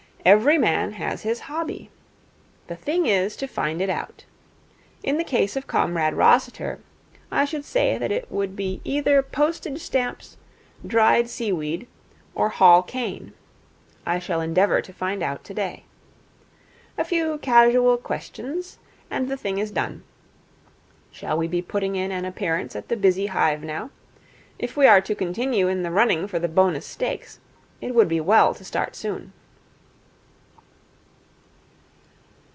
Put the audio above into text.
'Every man has his hobby. The thing is to find it out. In the case of comrade Rossiter, I should say that it would be either postage stamps, dried seaweed, or Hall Caine. I shall endeavour to find out today. A few casual questions, and the thing is done. Shall we be putting in an appearance at the busy hive now? If we are to continue in the running for the bonus stakes, it would be well to start soon.'